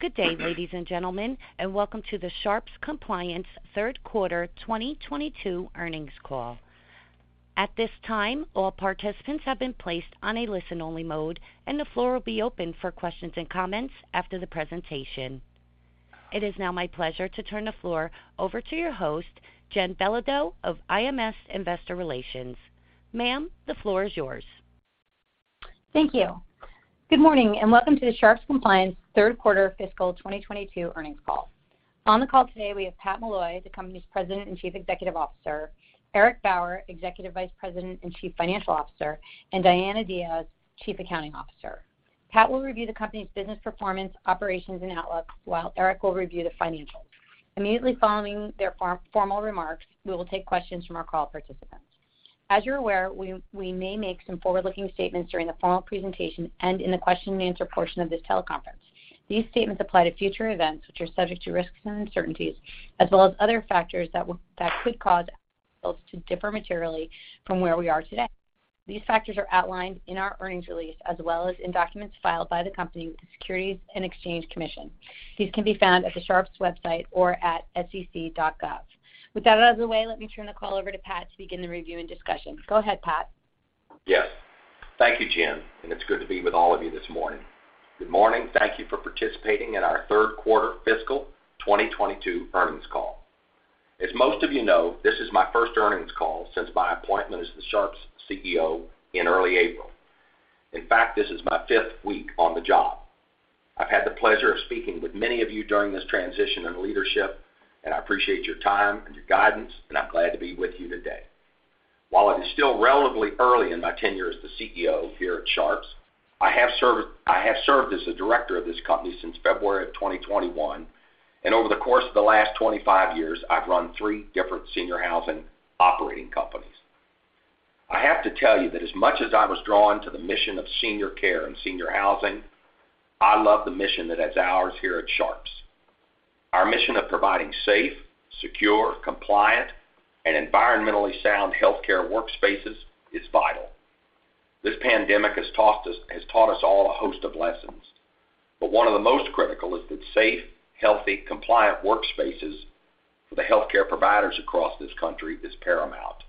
Good day, ladies and gentlemen, and welcome to the Sharps Compliance third quarter 2022 earnings call. At this time, all participants have been placed on a listen-only mode, and the floor will be open for questions and comments after the presentation. It is now my pleasure to turn the floor over to your host, Jen Belodeau of IMS Investor Relations. Ma'am, the floor is yours. Thank you. Good morning, and welcome to the Sharps Compliance third quarter fiscal 2022 earnings call. On the call today, we have Pat Mulloy, the company's President and Chief Executive Officer, Eric Bauer, Executive Vice President and Chief Financial Officer, and Diana Diaz, Chief Accounting Officer. Pat will review the company's business performance, operations, and outlook, while Eric will review the financials. Immediately following their formal remarks, we will take questions from our call participants. As you're aware, we may make some forward-looking statements during the formal presentation and in the question-and-answer portion of this teleconference. These statements apply to future events which are subject to risks and uncertainties as well as other factors that could cause results to differ materially from where we are today. These factors are outlined in our earnings release as well as in documents filed by the company with the Securities and Exchange Commission. These can be found at the Sharps website or at sec.gov. With that out of the way, let me turn the call over to Pat to begin the review and discussion. Go ahead, Pat. Yes. Thank you, Jen, and it's good to be with all of you this morning. Good morning. Thank you for participating in our third quarter fiscal 2022 earnings call. As most of you know, this is my first earnings call since my appointment as the Sharps CEO in early April. In fact, this is my fifth week on the job. I've had the pleasure of speaking with many of you during this transition in leadership, and I appreciate your time and your guidance, and I'm glad to be with you today. While it is still relatively early in my tenure as the CEO here at Sharps, I have served as a director of this company since February of 2021, and over the course of the last 25 years, I've run three different senior housing operating companies. I have to tell you that as much as I was drawn to the mission of senior care and senior housing, I love the mission that is ours here at Sharps. Our mission of providing safe, secure, compliant, and environmentally sound healthcare workspaces is vital. This pandemic has taught us all a host of lessons, but one of the most critical is that safe, healthy, compliant workspaces for the healthcare providers across this country is paramount.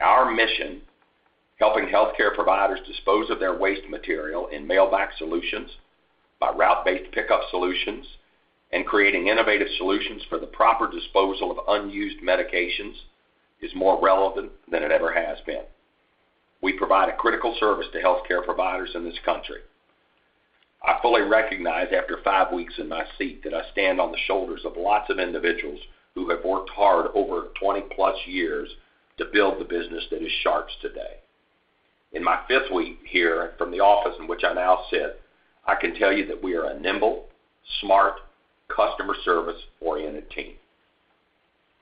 Our mission, helping healthcare providers dispose of their waste material in mailback solutions by route-based pickup solutions, and creating innovative solutions for the proper disposal of unused medications, is more relevant than it ever has been. We provide a critical service to healthcare providers in this country. I fully recognize after five weeks in my seat that I stand on the shoulders of lots of individuals who have worked hard over 20+ years to build the business that is Sharps today. In my fifth week here from the office in which I now sit, I can tell you that we are a nimble, smart, customer service-oriented team.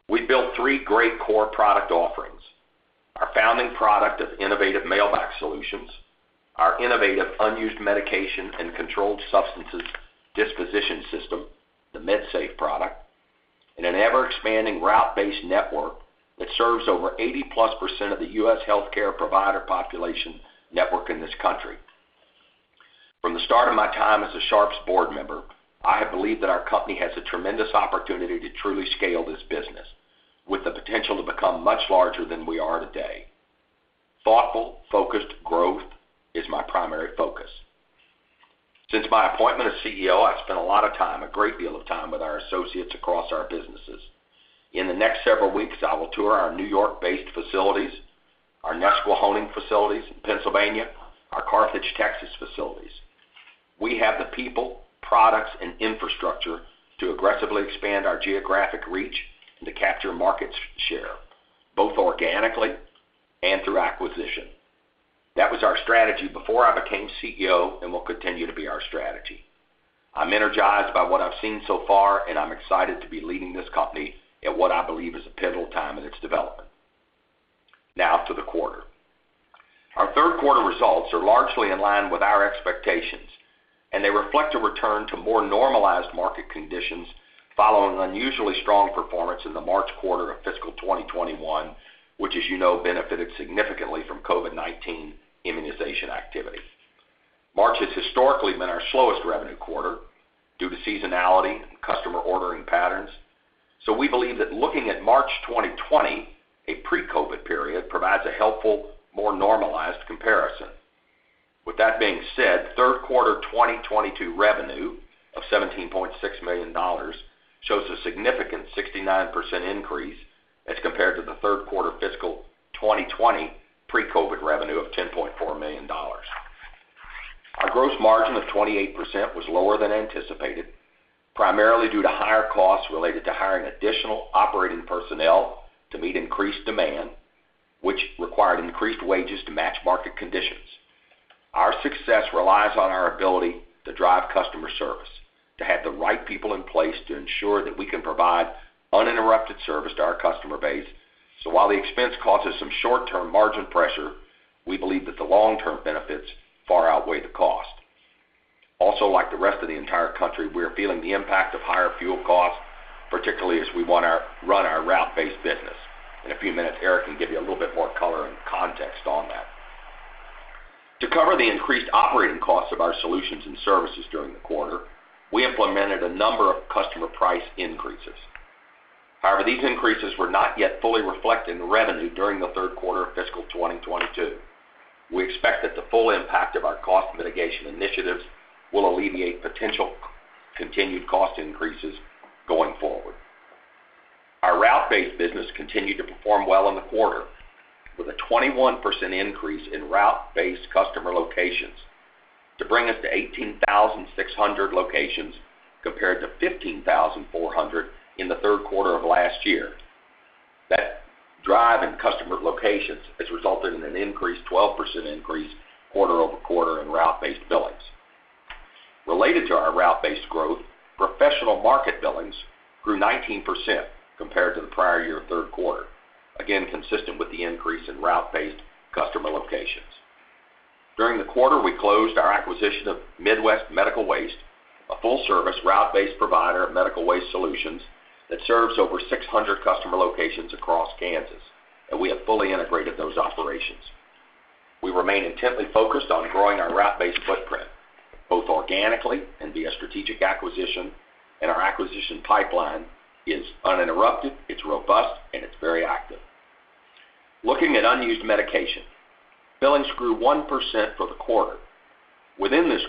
We built three great core product offerings, our founding product of innovative mailback solutions, our innovative unused medication and controlled substances disposition system, the MedSafe product, and an ever-expanding route-based network that serves over 80%+ of the U.S. healthcare provider population network in this country. From the start of my time as a Sharps board member, I have believed that our company has a tremendous opportunity to truly scale this business with the potential to become much larger than we are today. Thoughtful, focused growth is my primary focus. Since my appointment as CEO, I've spent a lot of time, a great deal of time, with our associates across our businesses. In the next several weeks, I will tour our New York-based facilities, our Nesquehoning facilities in Pennsylvania, our Carthage, Texas, facilities. We have the people, products, and infrastructure to aggressively expand our geographic reach and to capture market share, both organically and through acquisition. That was our strategy before I became CEO and will continue to be our strategy. I'm energized by what I've seen so far, and I'm excited to be leading this company at what I believe is a pivotal time in its development. Now to the quarter. Our third quarter results are largely in line with our expectations, and they reflect a return to more normalized market conditions following unusually strong performance in the March quarter of fiscal 2021, which, as you know, benefited significantly from COVID-19 immunization activity. March has historically been our slowest revenue quarter due to seasonality and customer ordering patterns, so we believe that looking at March 2020, a pre-COVID period, provides a helpful, more normalized comparison. With that being said, third quarter 2022 revenue of $17.6 million shows a significant 69% increase as compared to the third quarter fiscal 2020 pre-COVID revenue of $10.4 million. Our gross margin of 28% was lower than anticipated, primarily due to higher costs related to hiring additional operating personnel to meet increased demand, which required increased wages to match market conditions. Our success relies on our ability to drive customer service, to have the right people in place to ensure that we can provide uninterrupted service to our customer base. While the expense causes some short-term margin pressure, we believe that the long-term benefits far outweigh the cost. Also, like the rest of the entire country, we are feeling the impact of higher fuel costs, particularly as we run our route-based business. In a few minutes, Eric can give you a little bit more color and context on that. To cover the increased operating costs of our solutions and services during the quarter, we implemented a number of customer price increases. However, these increases were not yet fully reflected in revenue during the third quarter of fiscal 2022. We expect that the full impact of our cost mitigation initiatives will alleviate potential continued cost increases going forward. Our route-based business continued to perform well in the quarter, with a 21% increase in route-based customer locations to bring us to 18,600 locations compared to 15,400 in the third quarter of last year. That drive in customer locations has resulted in a 12% increase quarter-over-quarter in route-based billings. Related to our route-based growth, professional market billings grew 19% compared to the prior-year third quarter, again, consistent with the increase in route-based customer locations. During the quarter, we closed our acquisition of Midwest Medical Waste, a full-service, route-based provider of medical waste solutions that serves over 600 customer locations across Kansas, and we have fully integrated those operations. We remain intently focused on growing our route-based footprint, both organically and via strategic acquisition, and our acquisition pipeline is uninterrupted, it's robust, and it's very active. Looking at unused medication, billings grew 1% for the quarter. Within this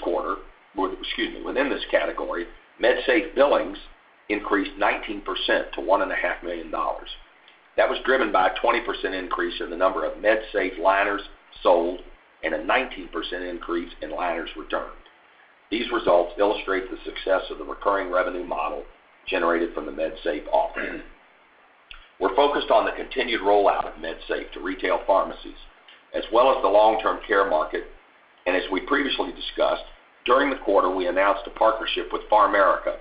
category, MedSafe billings increased 19% to $1.5 million. That was driven by a 20% increase in the number of MedSafe liners sold and a 19% increase in liners returned. These results illustrate the success of the recurring revenue model generated from the MedSafe offering. We're focused on the continued rollout of MedSafe to retail pharmacies as well as the long-term care market. As we previously discussed, during the quarter, we announced a partnership with PharMerica,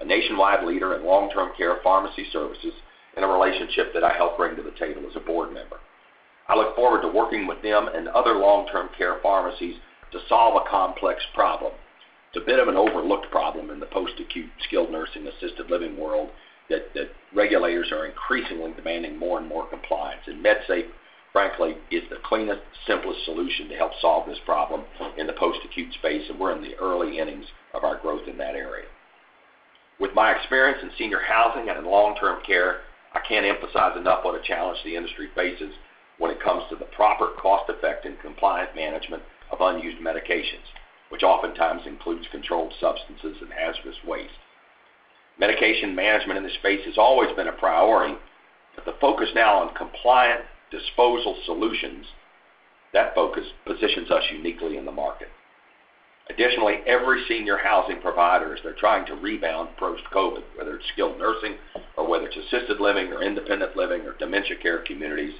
a nationwide leader in long-term care pharmacy services, and a relationship that I helped bring to the table as a board member. I look forward to working with them and other long-term care pharmacies to solve a complex problem. It's a bit of an overlooked problem in the post-acute skilled nursing assisted living world that regulators are increasingly demanding more and more compliance. MedSafe, frankly, is the cleanest, simplest solution to help solve this problem in the post-acute space, and we're in the early innings of our growth in that area. With my experience in senior housing and in long-term care, I can't emphasize enough what a challenge the industry faces when it comes to the proper cost-effective and compliant management of unused medications, which oftentimes includes controlled substances and hazardous waste. Medication management in this space has always been a priority, but the focus now on compliant disposal solutions, that focus positions us uniquely in the market. Additionally, every senior housing provider, as they're trying to rebound post-COVID, whether it's skilled nursing or whether it's assisted living or independent living or dementia care communities,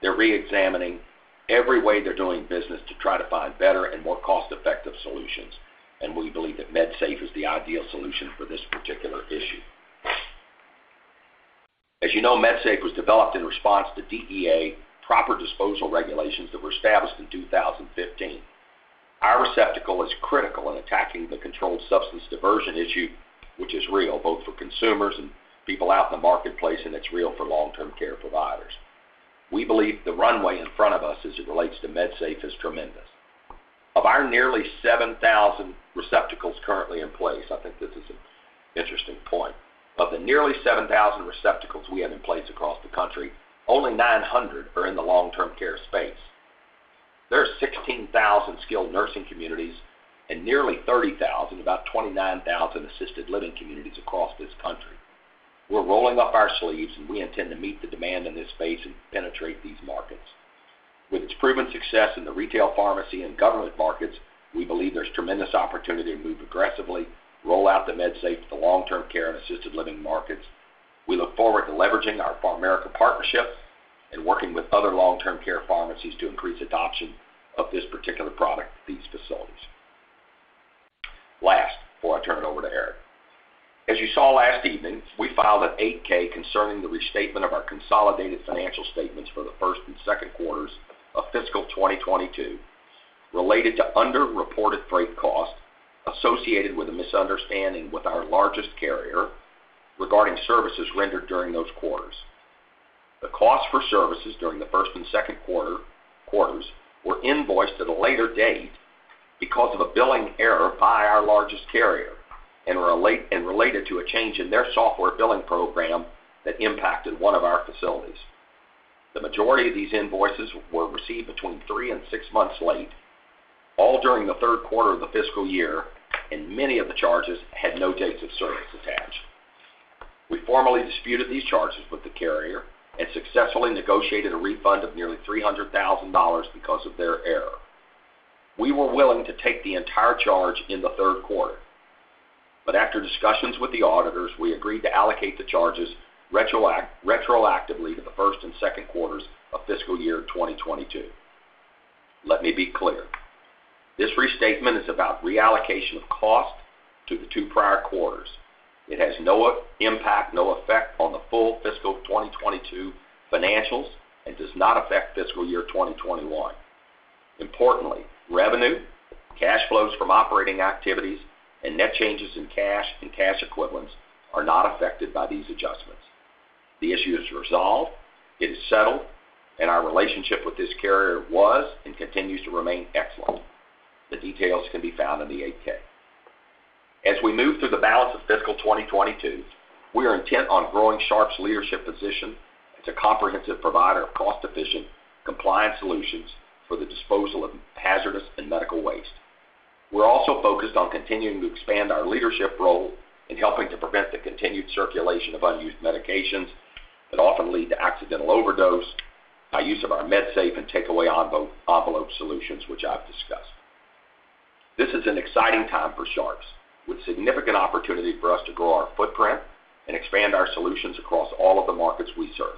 they're reexamining every way they're doing business to try to find better and more cost-effective solutions, and we believe that MedSafe is the ideal solution for this particular issue. As you know, MedSafe was developed in response to DEA proper disposal regulations that were established in 2015. Our receptacle is critical in attacking the controlled substance diversion issue, which is real both for consumers and people out in the marketplace, and it's real for long-term care providers. We believe the runway in front of us as it relates to MedSafe is tremendous. Of our nearly 7,000 receptacles currently in place, I think this is an interesting point. Of the nearly 7,000 receptacles we have in place across the country, only 900 are in the long-term care space. There are 16,000 skilled nursing communities and nearly 30,000, about 29,000 assisted living communities across this country. We're rolling up our sleeves, and we intend to meet the demand in this space and penetrate these markets. With its proven success in the retail pharmacy and government markets, we believe there's tremendous opportunity to move aggressively, roll out the MedSafe to the long-term care and assisted living markets. We look forward to leveraging our PharMerica partnership, and working with other long-term care pharmacies to increase adoption of this particular product to these facilities. Last, before I turn it over to Eric, as you saw last evening, we filed an 8-K concerning the restatement of our consolidated financial statements for the first and second quarters of fiscal 2022 related to underreported freight costs associated with a misunderstanding with our largest carrier regarding services rendered during those quarters. The cost for services during the first and second quarters were invoiced at a later date because of a billing error by our largest carrier and related to a change in their software billing program that impacted one of our facilities. The majority of these invoices were received between three and six months late, all during the third quarter of the fiscal year, and many of the charges had no dates of service attached. We formally disputed these charges with the carrier and successfully negotiated a refund of nearly $300,000 because of their error. We were willing to take the entire charge in the third quarter. After discussions with the auditors, we agreed to allocate the charges retroactively to the first and second quarters of fiscal year 2022. Let me be clear. This restatement is about reallocation of cost to the two prior quarters. It has no impact, no effect on the full fiscal 2022 financials and does not affect fiscal year 2021. Importantly, revenue, cash flows from operating activities, and net changes in cash and cash equivalents are not affected by these adjustments. The issue is resolved, it is settled, and our relationship with this carrier was and continues to remain excellent. The details can be found in the 8-K. As we move through the balance of fiscal 2022, we are intent on growing Sharps' leadership position as a comprehensive provider of cost-efficient compliance solutions for the disposal of hazardous and medical waste. We're also focused on continuing to expand our leadership role in helping to prevent the continued circulation of unused medications that often lead to accidental overdose by use of our MedSafe and TakeAway Envelope solutions, which I've discussed. This is an exciting time for Sharps, with significant opportunity for us to grow our footprint and expand our solutions across all of the markets we serve.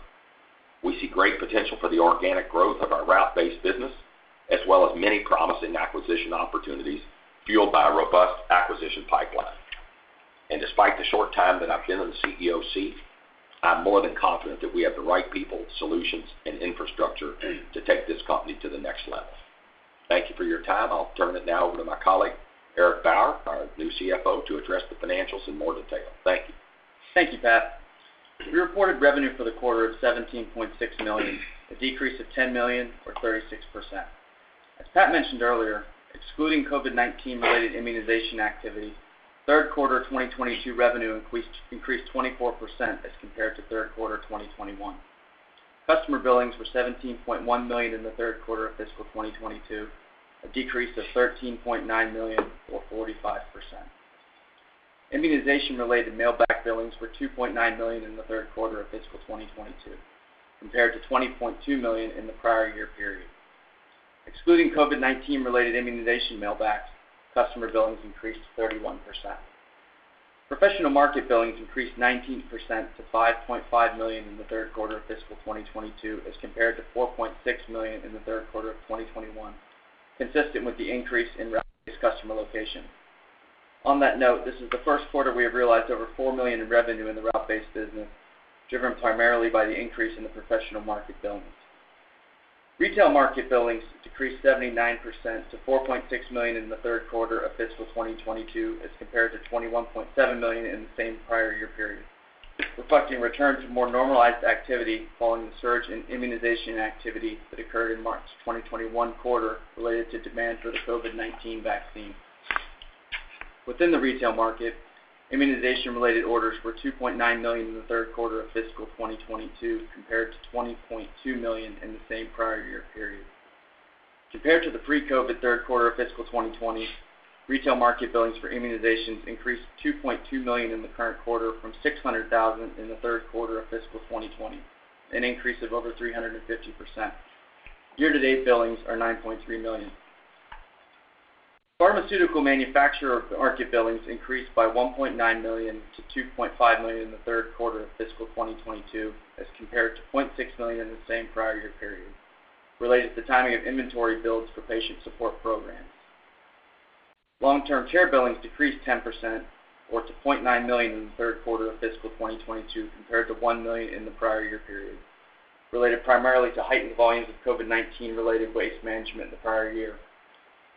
We see great potential for the organic growth of our route-based business, as well as many promising acquisition opportunities fueled by a robust acquisition pipeline. Despite the short time that I've been in the CEO seat, I'm more than confident that we have the right people, solutions, and infrastructure to take this company to the next level. Thank you for your time. I'll turn it now over to my colleague, Eric Bauer, our new CFO, to address the financials in more detail. Thank you. Thank you, Pat. We reported revenue for the quarter of $17.6 million, a decrease of $10 million or 36%. As Pat mentioned earlier, excluding COVID-19 related immunization activity, third quarter of 2022 revenue increased 24% as compared to third quarter of 2021. Customer billings were $17.1 million in the third quarter of fiscal 2022, a decrease of $13.9 million or 45%. Immunization-related mailback billings were $2.9 million in the third quarter of fiscal 2022 compared to $20.2 million in the prior year period. Excluding COVID-19 related immunization mailbacks, customer billings increased 31%. Professional market billings increased 19% to $5.5 million in the third quarter of fiscal 2022, as compared to $4.6 million in the third quarter of 2021, consistent with the increase in route-based customer location. On that note, this is the first quarter we have realized over $4 million in revenue in the route-based business, driven primarily by the increase in the professional market billings. Retail market billings decreased 79% to $4.6 million in the third quarter of fiscal 2022, as compared to $21.7 million in the same prior year period, reflecting return to more normalized activity following the surge in immunization activity that occurred in March 2021 quarter related to demand for the COVID-19 vaccine. Within the retail market, immunization-related orders were $2.9 million in the third quarter of fiscal 2022 compared to $20.2 million in the same prior year period. Compared to the pre-COVID third quarter of fiscal 2020, retail market billings for immunizations increased $2.2 million in the current quarter from $600,000 in the third quarter of fiscal 2020, an increase of over 350%. Year-to-date billings are $9.3 million. Pharmaceutical manufacturer market billings increased by $1.9 million-$2.5 million in the third quarter of fiscal 2022, as compared to $0.6 million in the same prior year period, related to the timing of inventory builds for patient support programs. Long-term care billings decreased 10% or to $0.9 million in the third quarter of fiscal 2022 compared to $1 million in the prior year period, related primarily to heightened volumes of COVID-19 related waste management in the prior year,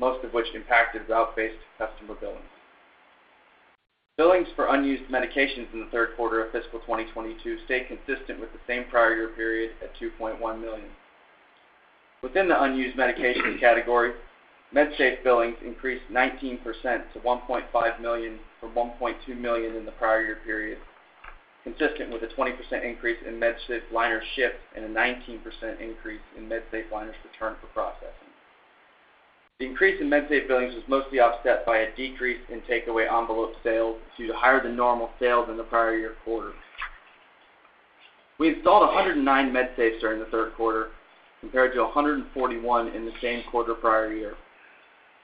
most of which impacted route-based customer billings. Billings for unused medications in the third quarter of fiscal 2022 stayed consistent with the same prior year period at $2.1 million. Within the unused medication category, MedSafe billings increased 19% to $1.5 million from $1.2 million in the prior year period, consistent with a 20% increase in MedSafe liners shipped and a 19% increase in MedSafe liners returned for processing. The increase in MedSafe billings was mostly offset by a decrease in TakeAway Envelope sales due to higher than normal sales in the prior year quarter. We installed 109 MedSafes during the third quarter compared to 141 in the same quarter prior year.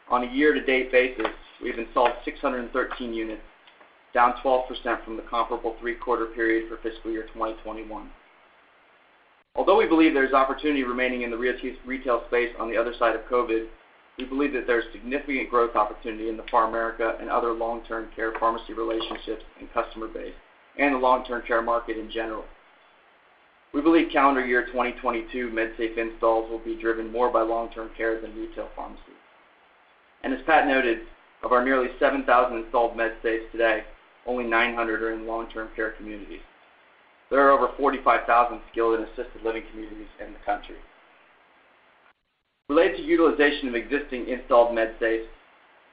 On a year-to-date basis, we've installed 613 units, down 12% from the comparable three-quarter period for fiscal year 2021. Although we believe there is opportunity remaining in the retail space on the other side of COVID, we believe that there's significant growth opportunity in the PharMerica and other long-term care pharmacy relationships and customer base, and the long-term care market in general. We believe calendar year 2022 MedSafe installs will be driven more by long-term care than retail pharmacy. As Pat noted, of our nearly 7,000 installed MedSafes today, only 900 are in long-term care communities. There are over 45,000 skilled and assisted living communities in the country. Related to utilization of existing installed MedSafes,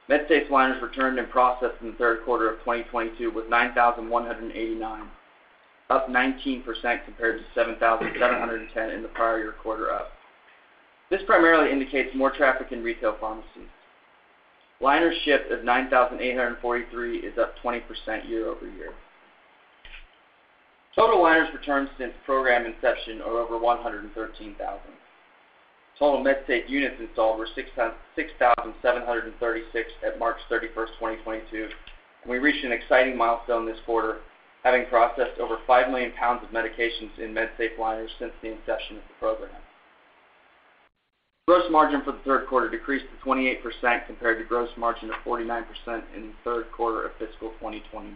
MedSafe liners returned and processed in the third quarter of 2022 was 9,189, up 19% compared to 7,710 in the prior-year quarter. This primarily indicates more traffic in retail pharmacies. Liners shipped of 9,843 is up 20% year-over-year. Total liners returned since program inception are over 113,000. Total MedSafe units installed were 6,736 at March 31st, 2022, and we reached an exciting milestone this quarter, having processed over 5 million lbs of medications in MedSafe liners since the inception of the program. Gross margin for the third quarter decreased to 28% compared to gross margin of 49% in the third quarter of fiscal 2021.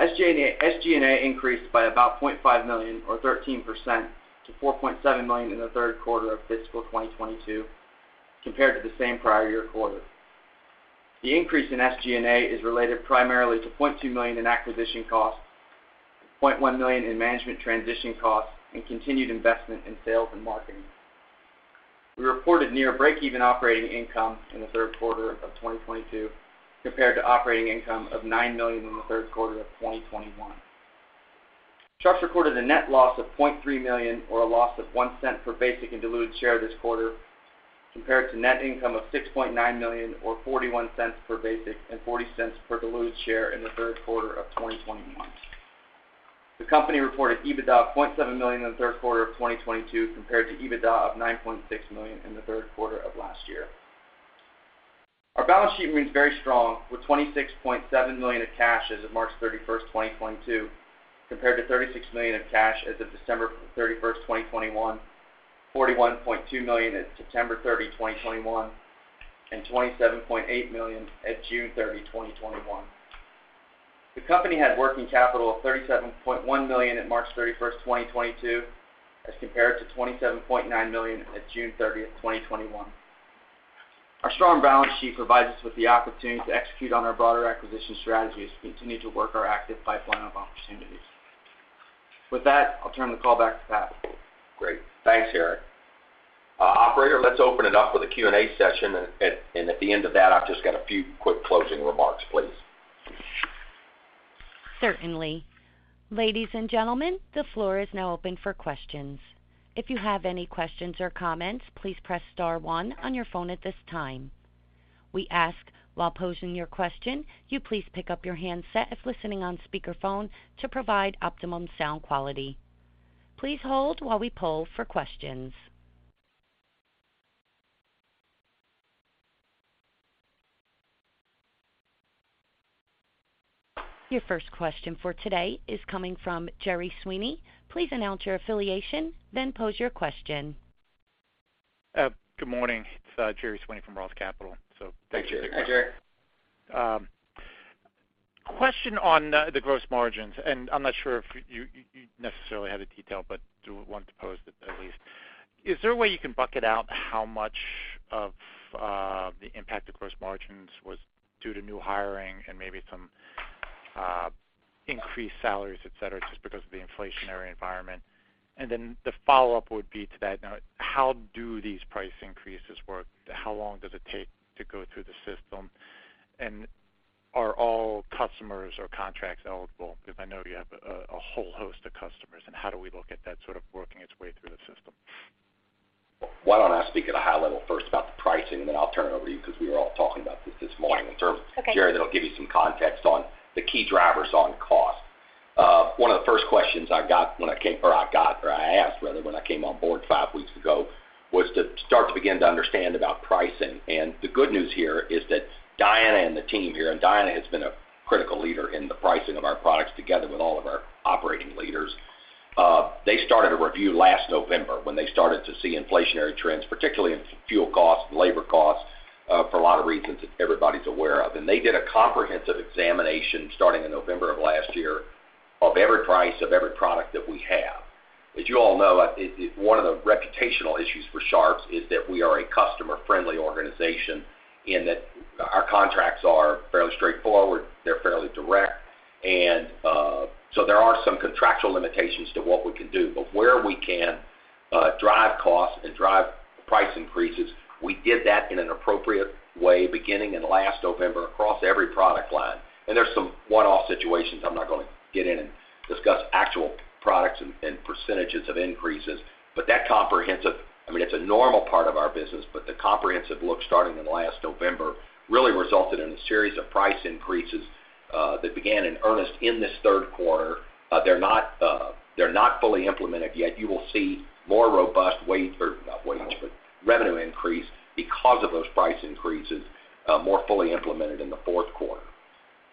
SG&A increased by about $0.5 million or 13% to $4.7 million in the third quarter of fiscal 2022 compared to the same prior year quarter. The increase in SG&A is related primarily to $0.2 million in acquisition costs, $0.1 million in management transition costs, and continued investment in sales and marketing. We reported near breakeven operating income in the third quarter of 2022 compared to operating income of $9 million in the third quarter of 2021. Sharps recorded a net loss of $0.3 million or a loss of $0.01 per basic and diluted share this quarter compared to net income of $6.9 million or $0.41 per basic, and $0.40 per diluted share in the third quarter of 2021. The company reported EBITDA of $0.7 million in the third quarter of 2022 compared to EBITDA of $9.6 million in the third quarter of last year. Our balance sheet remains very strong with $26.7 million of cash as of March 31st, 2022 compared to $36 million of cash as of December 31st, 2021, $41.2 million at September 30, 2021, and $27.8 million at June 30, 2021. The company had working capital of $37.1 million at March 31, 2022, as compared to $27.9 million at June 30, 2021. Our strong balance sheet provides us with the opportunity to execute on our broader acquisition strategies as we continue to work our active pipeline of opportunities. With that, I'll turn the call back to Pat. Great. Thanks, Eric. Operator, let's open it up with a Q&A session. At the end of that, I've just got a few quick closing remarks, please. Certainly. Ladies and gentlemen, the floor is now open for questions. If you have any questions or comments, please press star one on your phone at this time. We ask, while posing your question, you please pick up your handset if listening on speakerphone to provide optimum sound quality. Please hold while we poll for questions. Your first question for today is coming from Gerry Sweeney. Please announce your affiliation, then pose your question. Good morning. It's Gerry Sweeney from Roth Capital. Thank you. Hi, Gerry. Question on the gross margins, and I'm not sure if you necessarily have the detail but do want to pose it at least. Is there a way you can bucket out how much of the impact of gross margins was due to new hiring, and maybe some increased salaries, et cetera, just because of the inflationary environment? And then the follow-up would be to that. Now how do these price increases work? How long does it take to go through the system? And are all customers or contracts eligible? Because I know you have a whole host of customers, and how do we look at that sort of working its way through the system? Why don't I speak at a high level first about the pricing, and then I'll turn it over to you because we were all talking about this this morning. Yeah. Okay... in terms, Gerry, that'll give you some context on the key drivers on cost. One of the first questions I asked, rather, when I came on board five weeks ago, was to start to begin to understand about pricing. The good news here is that Diana and the team here, and Diana has been a critical leader in the pricing of our products together with all of our operating leaders. They started a review last November when they started to see inflationary trends, particularly in fuel costs and labor costs, for a lot of reasons that everybody's aware of. They did a comprehensive examination starting in November of last year of every price of every product that we have. As you all know, it. One of the reputational issues for Sharps is that we are a customer-friendly organization in that our contracts are fairly straightforward, they're fairly direct. There are some contractual limitations to what we can do. Where we can drive costs and drive price increases, we did that in an appropriate way beginning in last November across every product line. There's some one-off situations I'm not gonna get in and discuss actual products and percentages of increases. That comprehensive I mean, it's a normal part of our business, but the comprehensive look starting in last November really resulted in a series of price increases that began in earnest in this third quarter. They're not fully implemented yet. You will see more robust wage or not wage, but revenue increase because of those price increases, more fully implemented in the fourth quarter.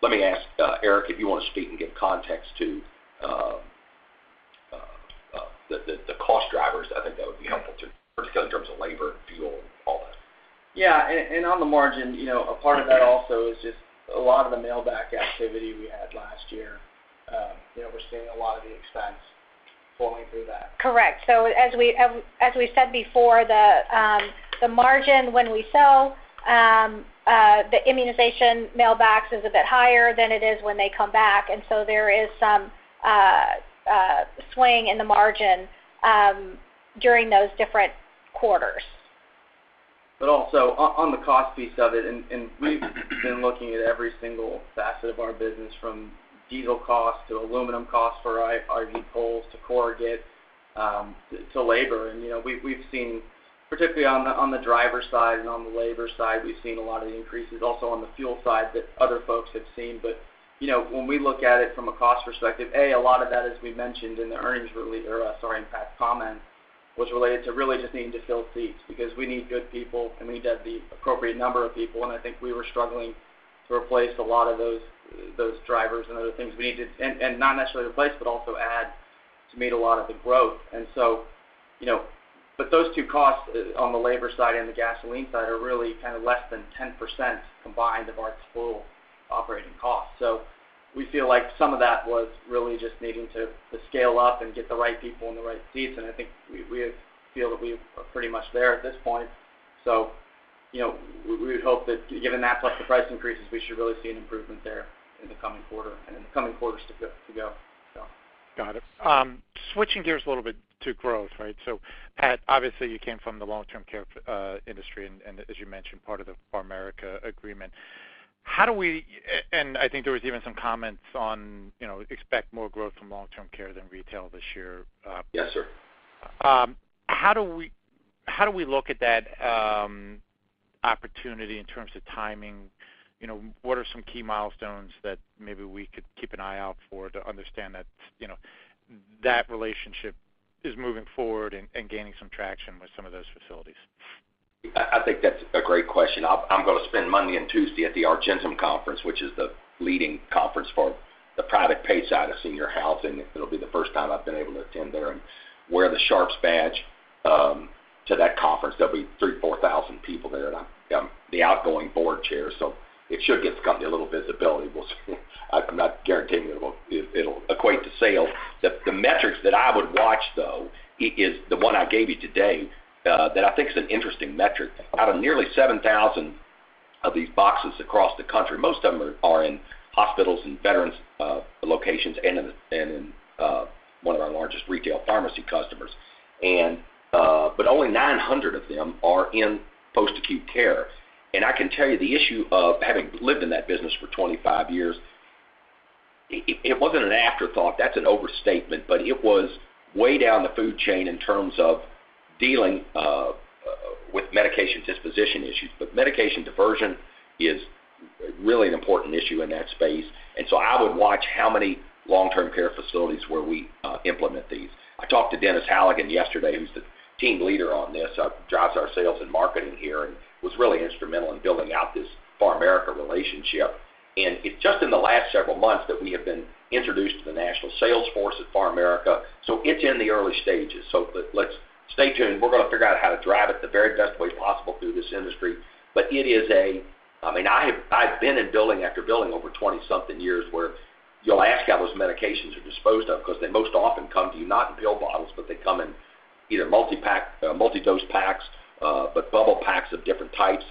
Let me ask, Eric, if you wanna speak and give context to, the cost drivers. I think that would be helpful too, particularly in terms of labor, fuel, all that. Yeah. On the margin, you know, a part of that also is just a lot of the mailback activity we had last year. You know, we're seeing a lot of the expense flowing through that. Correct. As we said before, the margin when we sell the immunization mailbacks is a bit higher than it is when they come back. There is some swing in the margin during those different quarters. But also on the cost piece of it, and we've been looking at every single facet of our business from diesel costs to aluminum costs for IV poles to corrugate, to labor. You know, we've seen, particularly on the driver side and on the labor side, a lot of the increases also on the fuel side that other folks have seen. You know, when we look at it from a cost perspective, a lot of that, as we mentioned in the earnings relea-- or sorry, in Pat's comments, was related to really just needing to fill seats because we need good people, and we need the appropriate number of people. I think we were struggling to replace a lot of those drivers and other things we need to. Not necessarily replace, but also add to meet a lot of the growth. You know, those two costs on the labor side and the gasoline side are really kind of less than 10% combined of our total operating costs. We feel like some of that was really just needing to scale up and get the right people in the right seats, and I think we feel that we are pretty much there at this point. You know, we would hope that given that plus the price increases, we should really see an improvement there in the coming quarter and in the coming quarters to go, so. Got it. Switching gears a little bit to growth, right? Pat, obviously, you came from the long-term care industry and as you mentioned, part of the PharMerica agreement. I think there was even some comments on, you know, expect more growth from long-term care than retail this year. Yes, sir. How do we look at that opportunity in terms of timing? You know, what are some key milestones that maybe we could keep an eye out for to understand that, you know, that relationship is moving forward and gaining some traction with some of those facilities? I think that's a great question. I'm gonna spend Monday and Tuesday at the Argentum conference, which is the leading conference for the private pay side of senior housing. It'll be the first time I've been able to attend there and wear the Sharps badge to that conference. There'll be 3,000-4,000 people there, and I'm the outgoing board chair, so it should get the company a little visibility. We'll see. I'm not guaranteeing it'll equate to sales. The metrics that I would watch, though, is the one I gave you today that I think is an interesting metric. Out of nearly 7,000 of these boxes across the country, most of them are in hospitals and veterans locations and in one of our largest retail pharmacy customers. Only 900 of them are in post-acute care. I can tell you the issue of having lived in that business for 25 years, it wasn't an afterthought. That's an overstatement, but it was way down the food chain in terms of dealing with medication disposition issues. Medication diversion is really an important issue in that space. I would watch how many long-term care facilities where we implement these. I talked to Dennis Halligan yesterday, who's the team leader on this, drives our sales and marketing here and was really instrumental in building out this PharMerica relationship. It's just in the last several months that we have been introduced to the national sales force at PharMerica, so it's in the early stages. Let's stay tuned. We're gonna figure out how to drive it the very best way possible through this industry. It is. I mean, I've been in building after building over 20-something years where you'll ask how those medications are disposed of because they most often come to you not in pill bottles, but they come in either multi-pack, multi-dose packs, but bubble packs of different types.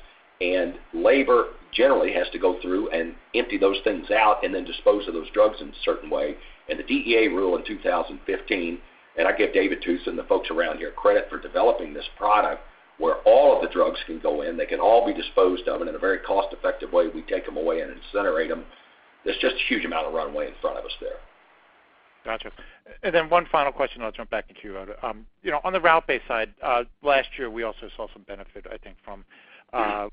Labor generally has to go through and empty those things out and then dispose of those drugs in a certain way. The DEA rule in 2015, and I give David Tusa and the folks around here credit for developing this product where all of the drugs can go in, they can all be disposed of, and in a very cost-effective way, we take them away and incinerate them. There's just a huge amount of runway in front of us there. Gotcha. One final question, I'll jump back in queue. You know, on the route-based side, last year, we also saw some benefit, I think, from- Mm-hmm.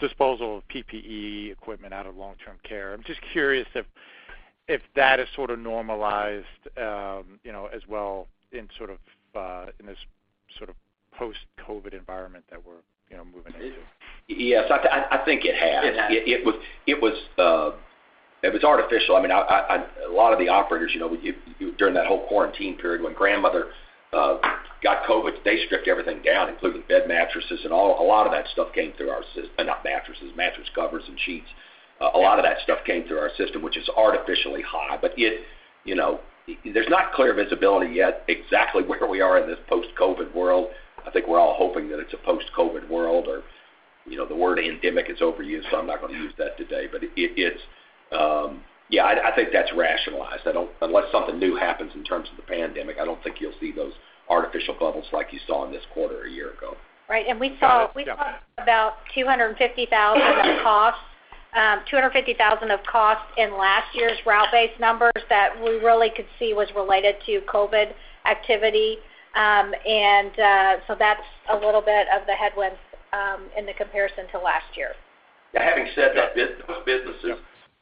Disposal of PPE equipment out of long-term care. I'm just curious if that is sort of normalized, you know, as well in sort of in this sort of post-COVID environment that we're, you know, moving into. It is. Yes, I think it has. It has. It was artificial. I mean, a lot of the operators, you know, during that whole quarantine period when grandmother got COVID, they stripped everything down, including bed mattresses and all. A lot of that stuff came through our system, not mattresses, mattress covers, and sheets. A lot of that stuff came through our system, which is artificially high. You know, there's not clear visibility yet exactly where we are in this post-COVID world. I think we're all hoping that it's a post-COVID world or, you know, the word endemic is overused, so I'm not gonna use that today. It's yeah, I think that's rationalized. I don't Unless something new happens in terms of the pandemic, I don't think you'll see those artificial bubbles like you saw in this quarter a year ago. Right. We saw- Got it. Yeah. We saw about $250,000 of costs in last year's route-based numbers that we really could see was related to COVID activity. That's a little bit of the headwinds in the comparison to last year. Yeah, having said that, those businesses,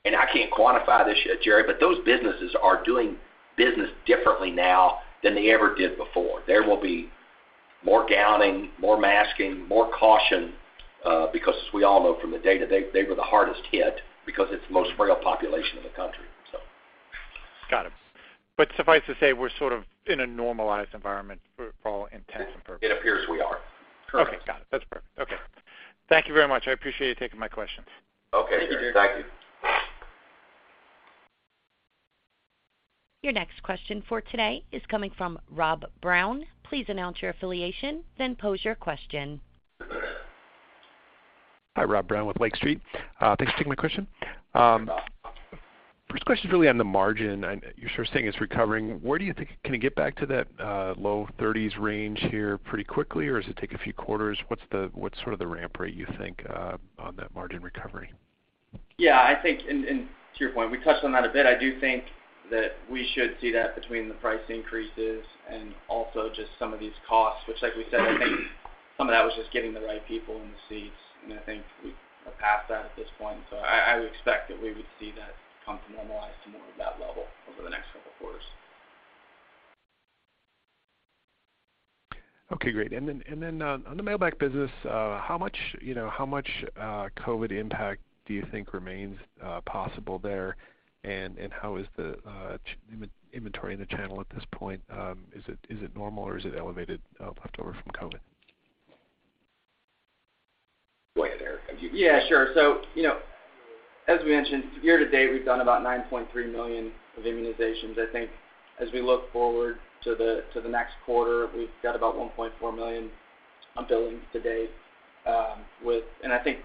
and I can't quantify this yet, Gerry, but those businesses are doing business differently now than they ever did before. There will be more gowning, more masking, more caution, because as we all know from the data, they were the hardest hit because it's the most frail population in the country, so. Got it. Suffice to say, we're sort of in a normalized environment for all intents and purposes. It appears we are. Correct. Okay. Got it. That's perfect. Okay. Thank you very much. I appreciate you taking my questions. Okay, sir. Thank you, Gerry. Thank you. Your next question for today is coming from Rob Brown. Please announce your affiliation, then pose your question. Hi, Rob Brown with Lake Street. Thanks for taking my question. First question is really on the margin, and you're sort of saying it's recovering. Where do you think? Can it get back to that low thirties range here pretty quickly, or does it take a few quarters? What's sort of the ramp rate you think on that margin recovery? Yeah, I think, and to your point, we touched on that a bit. I do think that we should see that between the price increases and also just some of these costs, which like we said, I think some of that was just getting the right people in the seats, and I think we are past that at this point. I would expect that we would see that come to normalize to more of that level over the next couple quarters. Okay, great. On the mailback business, how much, you know, COVID impact do you think remains possible there? How is the inventory in the channel at this point? Is it normal or is it elevated left over from COVID? Go ahead, Eric. Yeah, sure. You know, as we mentioned, year to date, we've done about $9.3 million of immunizations. I think as we look forward to the next quarter, we've got about $1.4 million on billings to date. I think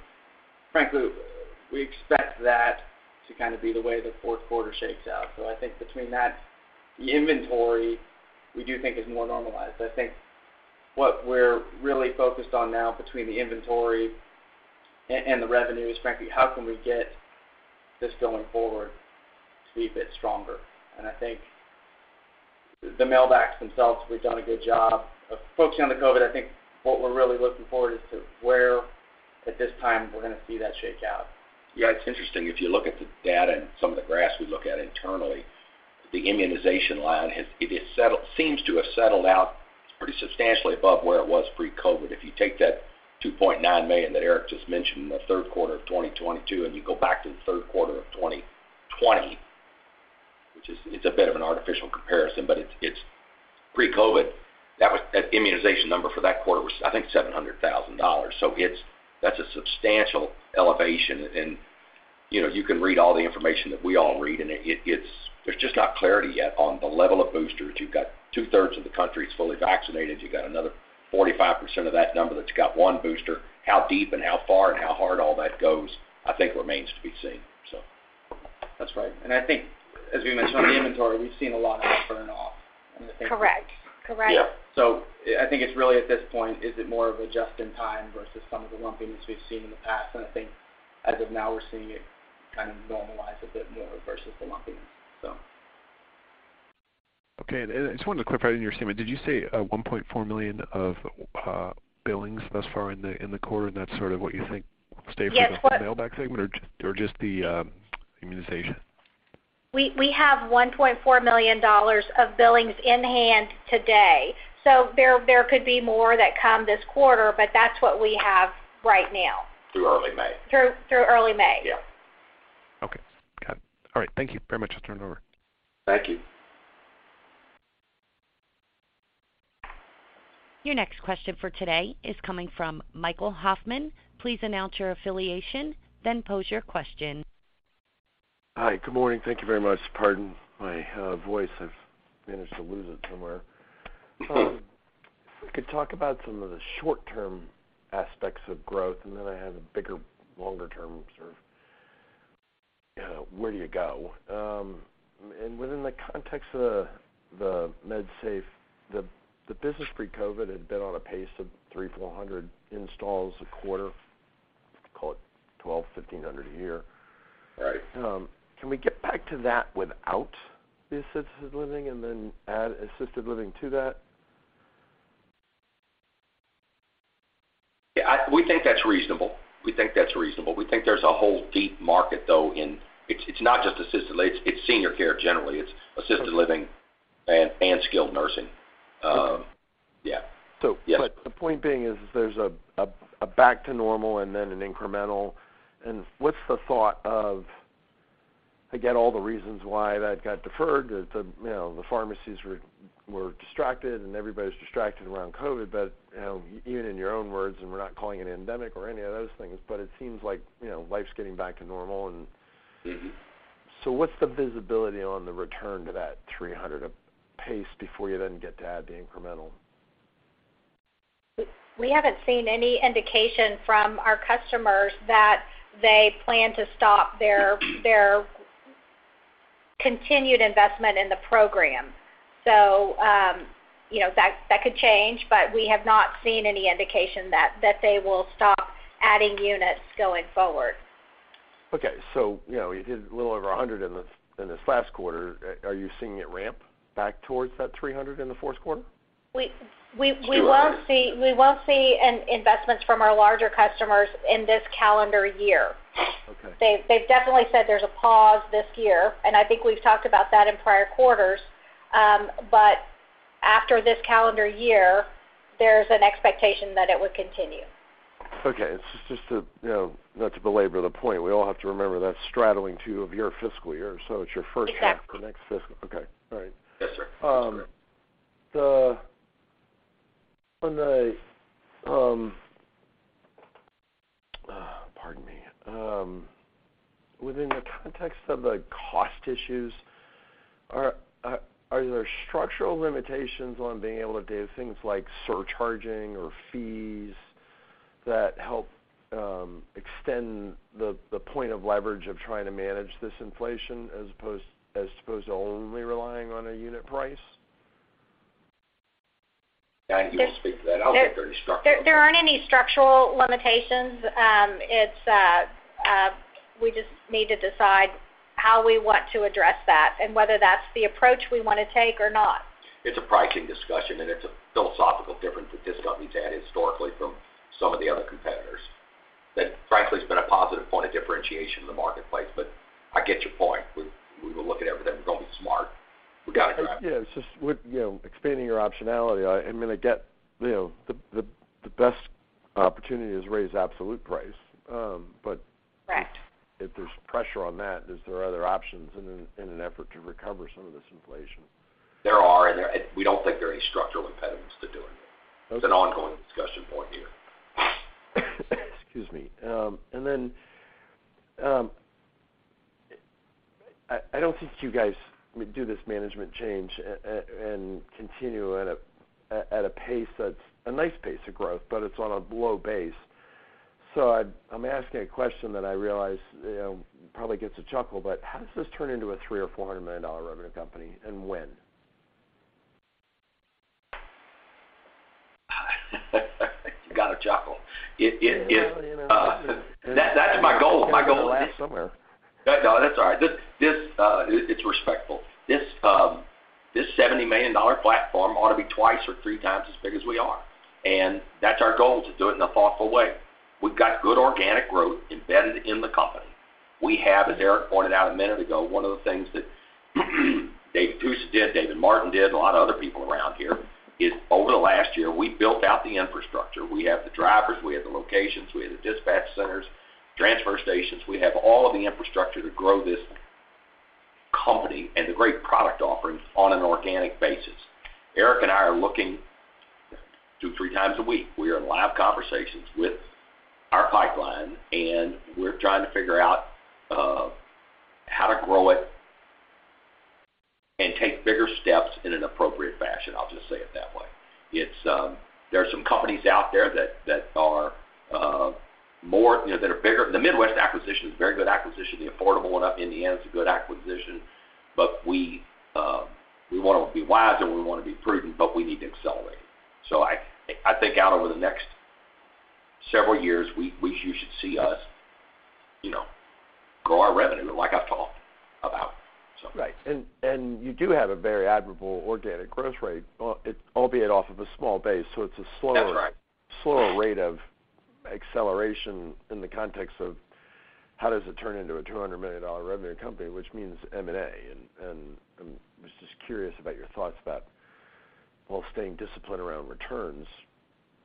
frankly, we expect that to kind of be the way the fourth quarter shakes out. I think between that, the inventory we do think is more normalized. I think what we're really focused on now between the inventory and the revenue is frankly, how can we get this going forward to be a bit stronger? I think the mailbacks themselves, we've done a good job of focusing on the COVID. I think what we're really looking forward is to where at this time we're gonna see that shake out. Yeah, it's interesting if you look at the data and some of the graphs we look at internally, the immunization line has settled. It seems to have settled out pretty substantially above where it was pre-COVID. If you take that $2.9 million that Eric just mentioned in the third quarter of 2022, and you go back to the third quarter of 2020, which is. It's a bit of an artificial comparison, but it's pre-COVID, that was. That immunization number for that quarter was I think $700,000. So it's, that's a substantial elevation. You know, you can read all the information that we all read, and it's, there's just not clarity yet on the level of boosters. You've got two-thirds of the country is fully vaccinated. You've got another 45% of that number that's got one booster. How deep and how far and how hard all that goes, I think remains to be seen. That's right. I think as we mentioned on the inventory, we've seen a lot of that burn off. Correct. Correct. Yeah. I think it's really at this point, is it more of a just in time versus some of the lumpiness we've seen in the past? I think as of now we're seeing it kind of normalize a bit more versus the lumpiness. Okay. I just wanted to clarify in your statement, did you say $1.4 million of billings thus far in the quarter, and that's sort of what you think will stay? Yes. For the full mailback segment or just the immunization? We have $1.4 million of billings in hand today. There could be more that come this quarter, but that's what we have right now. Through early May. Through early May. Yeah. Okay. Got it. All right. Thank you very much. I'll turn it over. Thank you. Your next question for today is coming from Michael Hoffman. Please announce your affiliation, then pose your question. Hi. Good morning. Thank you very much. Pardon my voice. I've managed to lose it somewhere. If we could talk about some of the short-term aspects of growth, and then I have a bigger, longer term sort of where do you go? Within the context of the MedSafe, the business pre-COVID had been on a pace of 300-400 installs a quarter, call it 1,200-1,500 a year. Right. Can we get back to that without the assisted living, and then add assisted living to that? Yeah, we think that's reasonable. We think there's a whole deep market, though, in it. It's not just assisted living, it's senior care generally. It's assisted living and skilled nursing. Yeah. So- Yeah. The point being is there's a back to normal and then an incremental. What's the thought of, again, all the reasons why that got deferred, you know, the pharmacies were distracted and everybody's distracted around COVID. You know, even in your own words, and we're not calling it endemic or any of those things, but it seems like, you know, life's getting back to normal and. Mm-hmm. What's the visibility on the return to that 300 a pace before you then get to add the incremental? We haven't seen any indication from our customers that they plan to stop their continued investment in the program. You know, that could change, but we have not seen any indication that they will stop adding units going forward. Okay. You know, you did a little over 100 in this last quarter. Are you seeing it ramp back towards that 300 in the fourth quarter? We will see. Sure. We will see investments from our larger customers in this calendar year. Okay. They've definitely said there's a pause this year, and I think we've talked about that in prior quarters. After this calendar year, there's an expectation that it would continue. Okay. It's just to, you know, not to belabor the point, we all have to remember that's straddling two of your fiscal years, so it's your first half. Exactly. The next fiscal. Okay. All right. Yes, sir. That's correct. Within the context of the cost issues, are there structural limitations on being able to do things like surcharging or fees that help extend the point of leverage of trying to manage this inflation as opposed to only relying on a unit price? I think you can speak to that. I don't think there are structural. There aren't any structural limitations. We just need to decide how we want to address that, and whether that's the approach we wanna take or not. It's a pricing discussion, and it's a philosophical difference that disposal needs had historically from some of the other competitors. That frankly has been a positive point of differentiation in the marketplace, but I get your point. We will look at everything. We're gonna be smart. We gotta grow. Yeah. It's just with, you know, expanding your optionality, I mean, I get, you know, the best opportunity is raise absolute price. Correct. If there's pressure on that, is there other options in an effort to recover some of this inflation? There are, and we don't think there are any structural impediments to doing it. Okay. It's an ongoing discussion point here. Excuse me. I don't think you guys would do this management change and continue at a pace that's a nice pace of growth, but it's on a low base. I'm asking a question that I realize, you know, probably gets a chuckle, but how does this turn into a $300 million-$400 million revenue company, and when? You got a chuckle. Well, you know. That's my goal. It can only last so long. No, that's all right. It's respectful. This $70 million platform ought to be twice or three times as big as we are, and that's our goal, to do it in a thoughtful way. We've got good organic growth embedded in the company. We have, as Eric pointed out a minute ago, one of the things that David Tusa did, David Martin did, a lot of other people around here, is over the last year, we built out the infrastructure. We have the drivers, we have the locations, we have the dispatch centers, transfer stations. We have all of the infrastructure to grow this company and the great product offerings on an organic basis. Eric and I are looking 2, 3 times a week. We are in live conversations with our pipeline, and we're trying to figure out how to grow it, and take bigger steps in an appropriate fashion. I'll just say it that way. It's. There are some companies out there that are more, you know, that are bigger. The Midwest acquisition is a very good acquisition. The affordable one up in Indiana is a good acquisition. We wanna be wiser, and we wanna be prudent, but we need to accelerate. I think out over the next several years you should see us, you know, grow our revenue like I've talked about. Right. You do have a very admirable organic growth rate, albeit off of a small base, so it's a slower- That's right. Slower rate of acceleration in the context of how does it turn into a $200 million revenue company, which means M&A. I'm just curious about your thoughts about while staying disciplined around returns,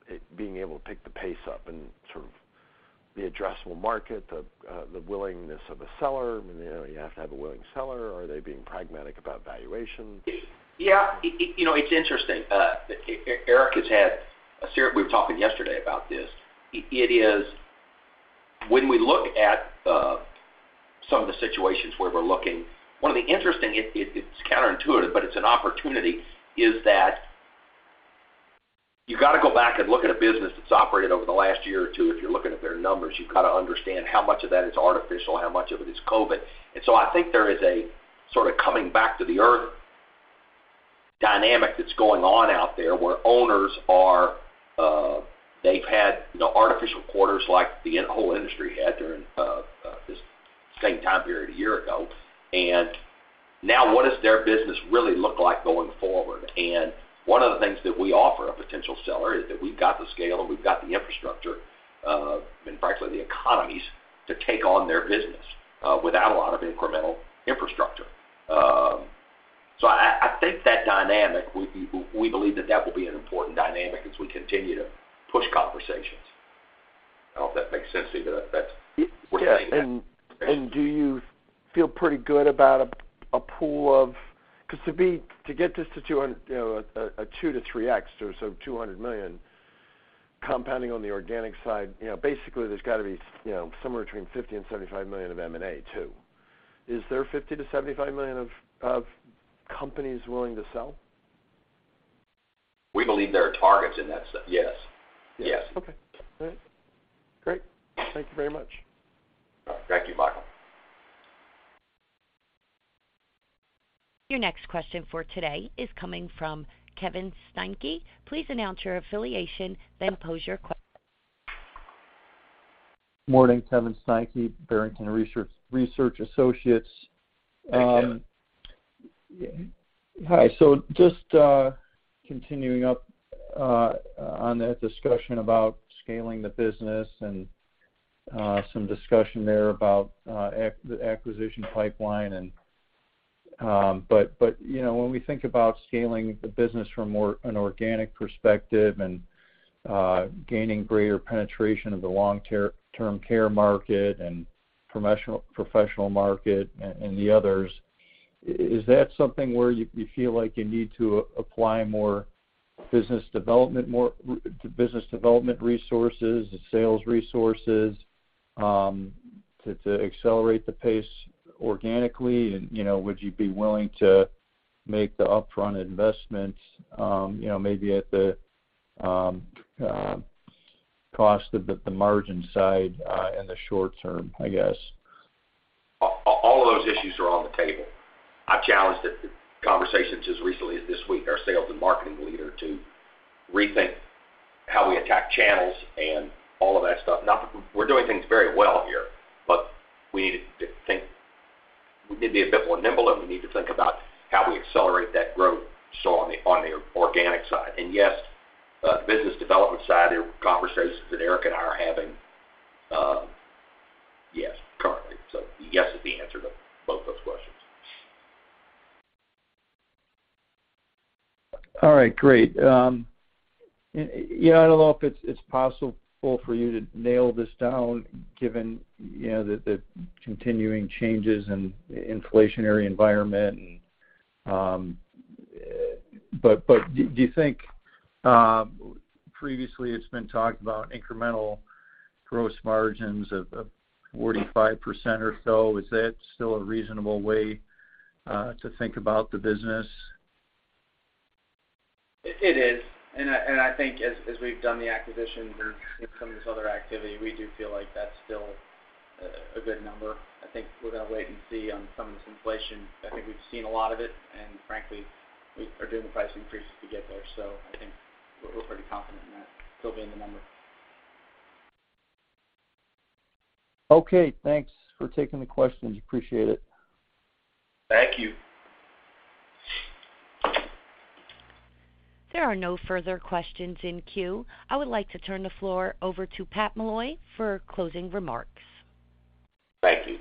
it being able to pick the pace up and sort of the addressable market, the willingness of a seller. You know, you have to have a willing seller. Are they being pragmatic about valuation? Yeah. You know, it's interesting. Eric has had a series. We were talking yesterday about this. It is. When we look at some of the situations where we're looking, one of the interesting, it's counterintuitive, but it's an opportunity, is that you've got to go back and look at a business that's operated over the last year or two, if you're looking at their numbers. You've got to understand how much of that is artificial, how much of it is COVID. I think there is a sort of coming back to the earth dynamic that's going on out there, where owners are. They've had, you know, artificial quarters like the whole industry had during this same time period a year ago. Now what does their business really look like going forward? One of the things that we offer a potential seller is that we've got the scale, and we've got the infrastructure, and frankly, the economies to take on their business, without a lot of incremental infrastructure. I think that dynamic, we believe that will be an important dynamic as we continue to push conversations. I hope that makes sense to you, but that's. Yeah. We're seeing that. Do you feel pretty good about a pool of? 'Cause to get this to $200 million, you know, a 2-3x, so $200 million compounding on the organic side, you know, basically, there's got to be, you know, somewhere between $50 million and $75 million of M&A too. Is there $50 million-$75 million of companies willing to sell? We believe there are targets in that. Yes. Yes. Okay. All right. Great. Thank you very much. Thank you, Michael. Your next question for today is coming from Kevin Steinke. Please announce your affiliation, then pose your question. Morning. Kevin Steinke, Barrington Research Associates. Hi, Kevin. Just continuing up on that discussion about scaling the business, and some discussion there about the acquisition pipeline. You know, when we think about scaling the business from organic perspective, and gaining greater penetration of the long-term care market and professional market and the others, is that something where you feel like you need to apply more business development resources, sales resources to accelerate the pace organically? You know, would you be willing to make the upfront investments, you know, maybe at the cost of the margin side in the short term, I guess? All those issues are on the table. I challenged in conversations as recently as this week, our sales and marketing leader to rethink how we attack channels and all of that stuff. Not that we're doing things very well here, but we need to think. We need to be a bit more nimble, and we need to think about how we accelerate that growth, so on the organic side. Yes, the business development side, there are conversations that Eric and I are having, yes, currently. Yes is the answer to both those questions. All right, great. Yeah, I don't know if it's possible for you to nail this down given you know the continuing changes in inflationary environment. Do you think previously it's been talked about incremental gross margins of 45% or so, is that still a reasonable way to think about the business? It is. I think as we've done the acquisitions and some of this other activity, we do feel like that's still a good number. I think we're gonna wait and see on some of this inflation. I think we've seen a lot of it, and frankly, we are doing the price increases to get there. I think we're pretty confident in that still being the number. Okay. Thanks for taking the questions. Appreciate it. Thank you. There are no further questions in queue. I would like to turn the floor over to Pat Mulloy for closing remarks. Thank you.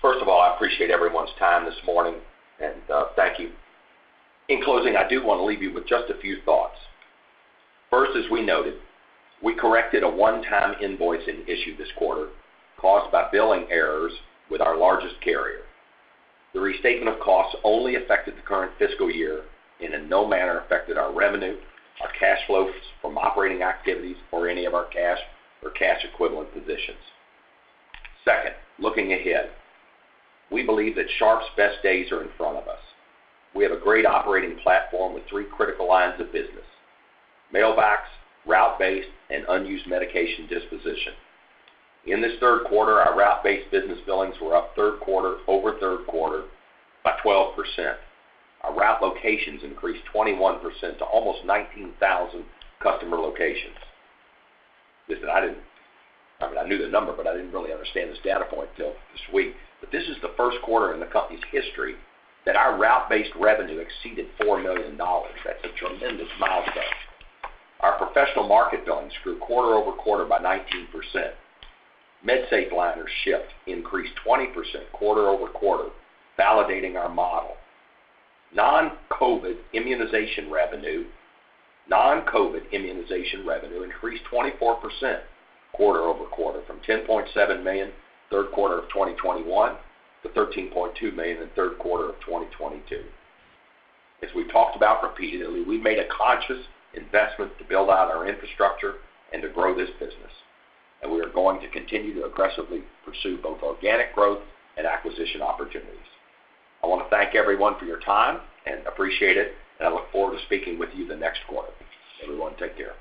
First of all, I appreciate everyone's time this morning, and thank you. In closing, I do wanna leave you with just a few thoughts. First, as we noted, we corrected a one-time invoicing issue this quarter caused by billing errors with our largest carrier. The restatement of costs only affected the current fiscal year and in no manner affected our revenue, our cash flows from operating activities or any of our cash or cash equivalent positions. Second, looking ahead, we believe that Sharps' best days are in front of us. We have a great operating platform with three critical lines of business: mailback, route-based, and unused medication disposition. In this third quarter, our route-based business billings were up third quarter over third quarter by 12%. Our route locations increased 21% to almost 19,000 customer locations. Listen, I didn't. I mean, I knew the number, but I didn't really understand this data point till this week, but this is the first quarter in the company's history that our route-based revenue exceeded $4 million. That's a tremendous milestone. Our professional market billings grew quarter-over-quarter by 19%. MedSafe liners shipped increased 20% quarter-over-quarter, validating our model. Non-COVID immunization revenue increased 24% quarter-over-quarter from $10.7 million third quarter of 2021 to $13.2 million in third quarter of 2022. As we've talked about repeatedly, we made a conscious investment to build out our infrastructure and to grow this business, and we are going to continue to aggressively pursue both organic growth and acquisition opportunities. I wanna thank everyone for your time and appreciate it, and I look forward to speaking with you the next quarter. Everyone, take care.